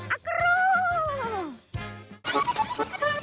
อักรู